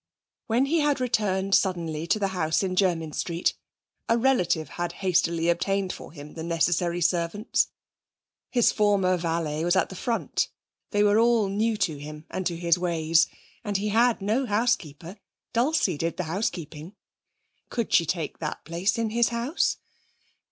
When he had returned suddenly to the house in Jermyn Street, a relative had hastily obtained for him the necessary servants; his former valet was at the front; they were all new to him and to his ways, and he had no housekeeper. Dulcie did the housekeeping could she take that place in his house?